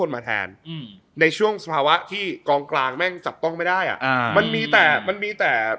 มันสินทีในปี๒๐๑๙